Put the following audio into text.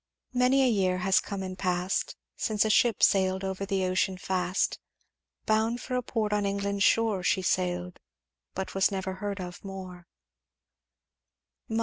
"'Many a year has come and past Since a ship sailed over the ocean fast, Bound for a port on England's shore, She sailed but was never heard of more.'